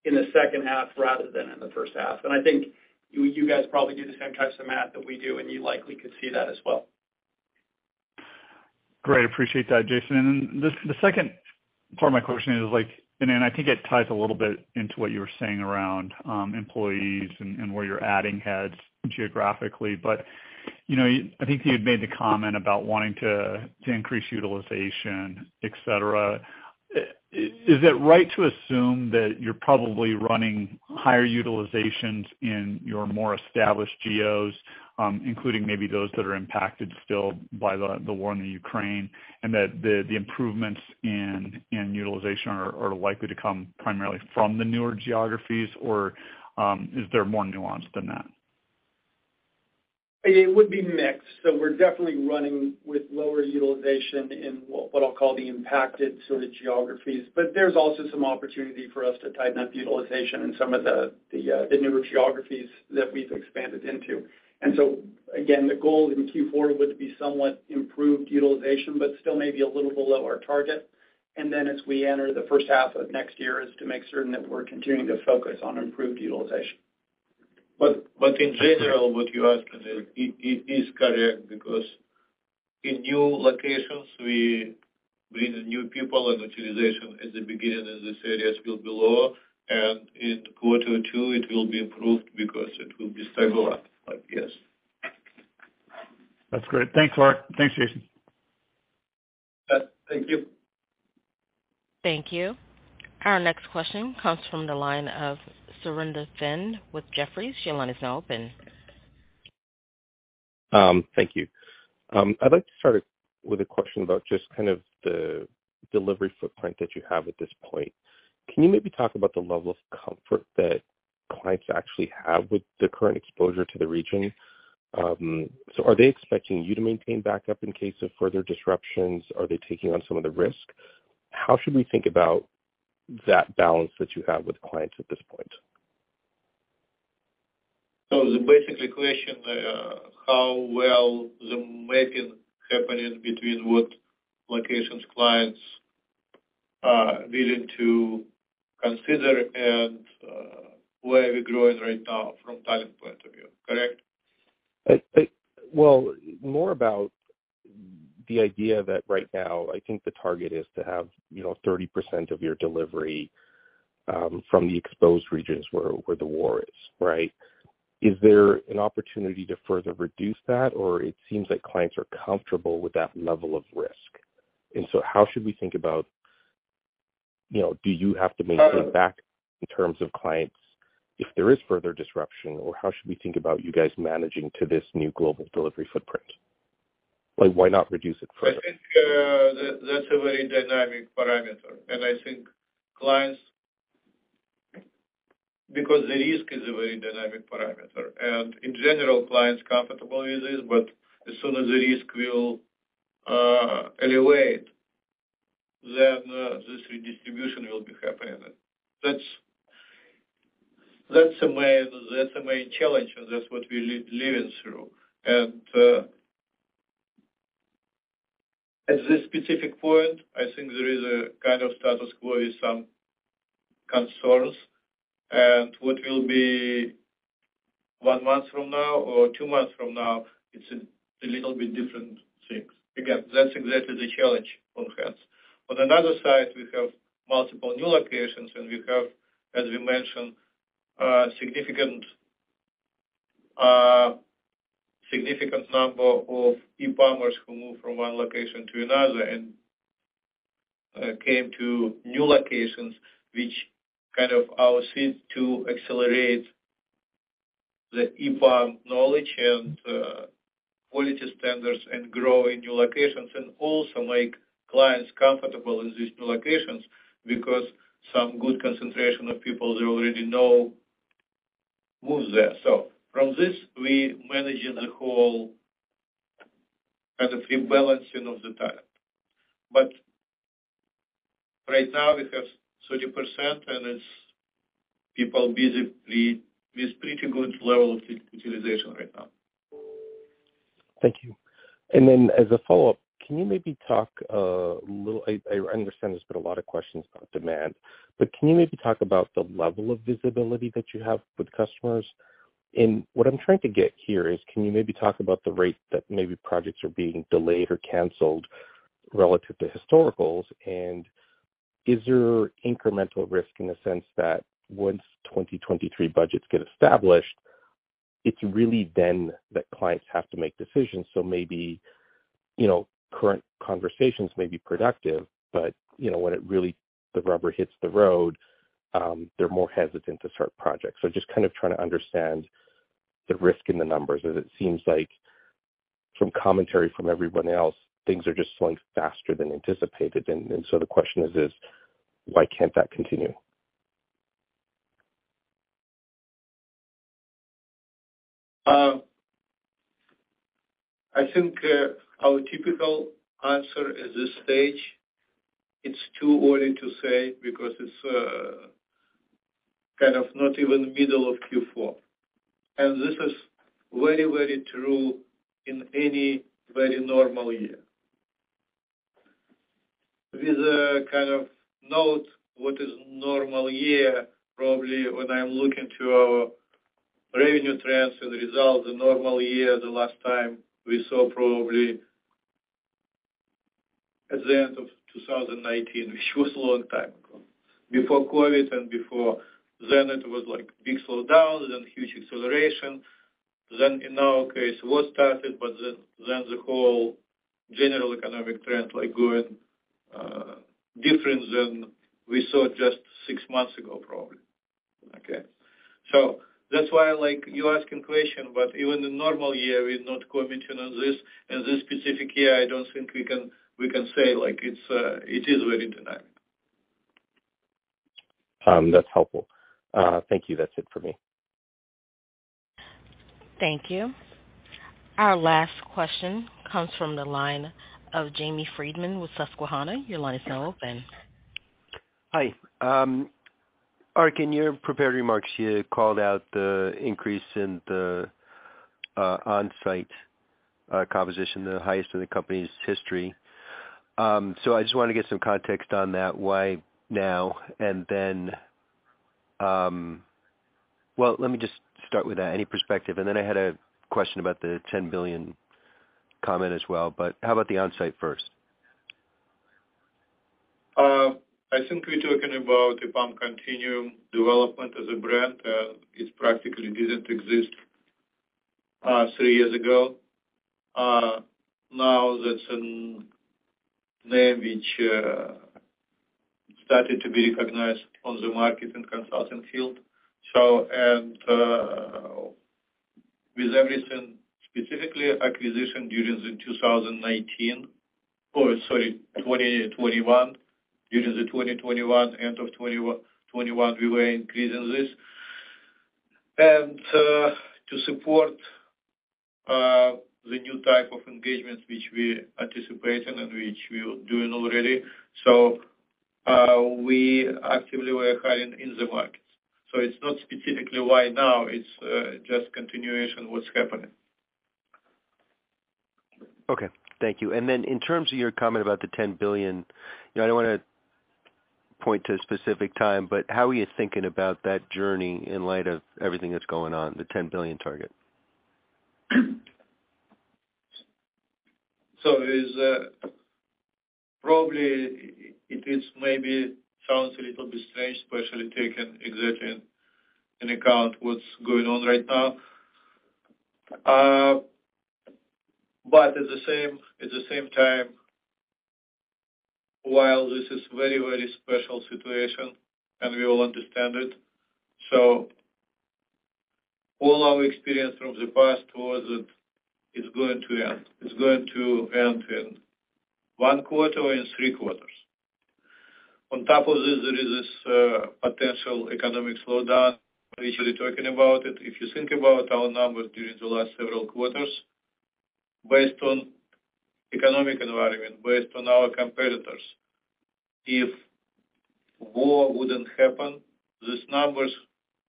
in the second half rather than in the first half. I think you guys probably do the same types of math that we do, and you likely could see that as well. Great. Appreciate that, Jason. This, the second part of my question is like, and then I think it ties a little bit into what you were saying around employees and where you're adding heads geographically. You know, I think you'd made the comment about wanting to increase utilization, et cetera. Is it right to assume that you're probably running higher utilizations in your more established geos, including maybe those that are impacted still by the war in Ukraine, and that the improvements in utilization are likely to come primarily from the newer geographies, or is there more nuance than that? It would be mixed. We're definitely running with lower utilization in what I'll call the impacted sort of geographies. There's also some opportunity for us to tighten up utilization in some of the newer geographies that we've expanded into. Again, the goal in Q4 would be somewhat improved utilization but still maybe a little below our target. As we enter the first half of next year is to make certain that we're continuing to focus on improved utilization. In general, what you asked me, it is correct because in new locations we bring new people and utilization at the beginning in these areas will be lower, and in quarter two it will be improved because it will be stable up, I guess. That's great. Thanks, Ark. Thanks, Jason. Yeah. Thank you. Thank you. Our next question comes from the line of Surinder Thind with Jefferies. Your line is now open. Thank you. I'd like to start with a question about just kind of the delivery footprint that you have at this point. Can you maybe talk about the level of comfort that clients actually have with the current exposure to the region? Are they expecting you to maintain backup in case of further disruptions? Are they taking on some of the risk? How should we think about that balance that you have with clients at this point? The basic question, how well the mapping happening between what locations clients are willing to consider and where we're growing right now from timing point of view, correct? Well, more about the idea that right now I think the target is to have, you know, 30% of your delivery from the exposed regions where the war is, right? Is there an opportunity to further reduce that, or it seems like clients are comfortable with that level of risk? How should we think about, you know, do you have to maintain backup in terms of clients if there is further disruption, or how should we think about you guys managing to this new global delivery footprint? Like why not reduce it further? I think that's a very dynamic parameter, and I think clients. Because the risk is a very dynamic parameter, and in general, clients comfortable with this, but as soon as the risk will elevate, then this redistribution will be happening. That's the main challenge, and that's what we living through. At this specific point, I think there is a kind of status quo with some concerns. What will be one month from now or two months from now, it's a little bit different things. Again, that's exactly the challenge on hands. On another side, we have multiple new locations, and we have, as we mentioned, significant number of EPAMers who move from one location to another and came to new locations which kind of or seem to accelerate the EPAM knowledge and quality standards and grow in new locations, and also make clients comfortable in these new locations because some good concentration of people they already know moves there. From this, we managing the whole kind of rebalancing of the talent. Right now, we have 30%, and it's people busy with pretty good level of utilization right now. Thank you. Then as a follow-up, can you maybe talk? I understand there's been a lot of questions about demand, but can you maybe talk about the level of visibility that you have with customers? What I'm trying to get here is, can you maybe talk about the rate that maybe projects are being delayed or canceled relative to historicals? Is there incremental risk in the sense that once 2023 budgets get established, it's really then that clients have to make decisions? Maybe, you know, current conversations may be productive, but, you know, when it really, the rubber hits the road, they're more hesitant to start projects. Just kind of trying to understand the risk in the numbers, as it seems like some commentary from everyone else, things are just slowing faster than anticipated. The question is this, why can't that continue? I think our typical answer at this stage, it's too early to say because it's kind of not even middle of Q4. This is very, very true in any very normal year. With a kind of note what is normal year, probably when I'm looking to our revenue trends and results, the normal year, the last time we saw probably at the end of 2019, which was a long time ago, before COVID and before then, it was like big slowdown, then huge acceleration. In our case, war started, but then the whole general economic trends like going different than we saw just six months ago, probably, okay? That's why I like you asking question, but even in normal year, we're not commenting on this. In this specific year, I don't think we can say, like it is very dynamic. That's helpful. Thank you. That's it for me. Thank you. Our last question comes from the line of Jamie Friedman with Susquehanna. Your line is now open. Hi. Ark, in your prepared remarks, you called out the increase in the onsite composition, the highest in the company's history. I just wanna get some context on that. Why now? Well, let me just start with any perspective, and then I had a question about the $10 billion comment as well. How about the onsite first? I think we're talking about EPAM Continuum development as a brand. It practically didn't exist three years ago. Now that's a name which started to be recognized on the market in consulting field. With everything, specifically acquisition during 2019, or sorry, 2021, during 2021, end of 2021, we were increasing this. To support the new type of engagements which we anticipating and which we're doing already. We actively were hiring in the markets. It's not specifically why now, it's just continuation what's happening. Okay. Thank you. In terms of your comment about the $10 billion, you know, I don't wanna point to a specific time, but how are you thinking about that journey in light of everything that's going on, the $10 billion target? Probably it maybe sounds a little bit strange, especially taking into account what's going on right now. At the same time, while this is very, very special situation, and we all understand it, all our experience from the past towards it is going to end. It's going to end in one quarter or in three quarters. On top of this, there is this potential economic slowdown, usually talking about it. If you think about our numbers during the last several quarters, based on economic environment, based on our competitors, if war wouldn't happen, these numbers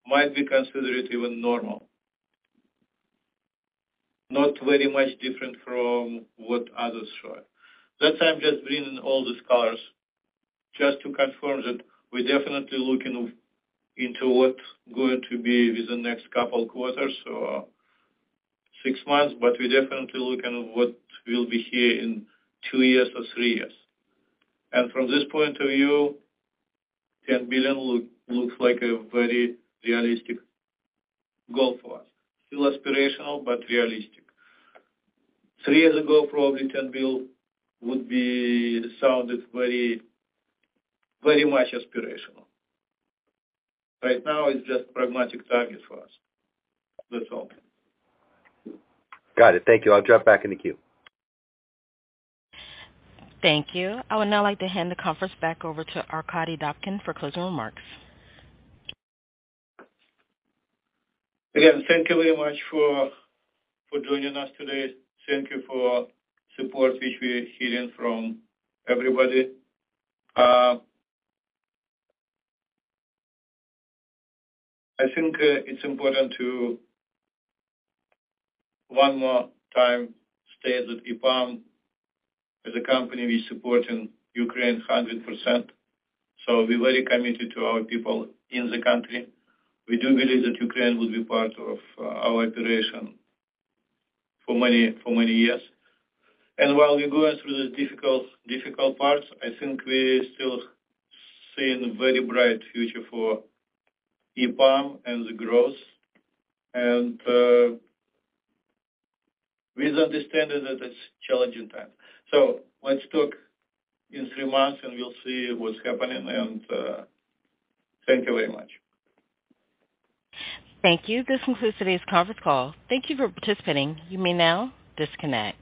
might be considered even normal. Not very much different from what others show it. I'm just bringing all these colors just to confirm that we're definitely looking into what's going to be with the next couple quarters, so six months. We're definitely looking at what will be here in two years or three years. From this point of view, $10 billion looks like a very realistic goal for us. Still aspirational, but realistic. Three years ago, probably $10 billion would have sounded very, very much aspirational. Right now, it's just pragmatic target for us. That's all. Got it. Thank you. I'll drop back in the queue. Thank you. I would now like to hand the conference back over to Arkadiy Dobkin for closing remarks. Again, thank you very much for joining us today. Thank you for support, which we are hearing from everybody. I think it's important to one more time state that EPAM as a company, we supporting Ukraine 100%, so we're very committed to our people in the country. We do believe that Ukraine will be part of our operation for many years. While we're going through these difficult parts, I think we still seeing very bright future for EPAM and the growth and with understanding that it's challenging time. Let's talk in three months, and we'll see what's happening, and thank you very much. Thank you. This concludes today's conference call. Thank you for participating. You may now disconnect.